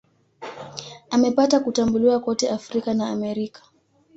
Amepata kutambuliwa kote Afrika na Amerika.